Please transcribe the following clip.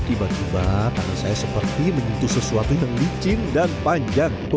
tiba tiba tangan saya seperti menyentuh sesuatu yang licin dan panjang